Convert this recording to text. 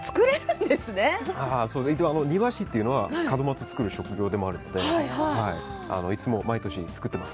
庭師というのは門松を作る職業でもあるのでいつも毎年、作っています。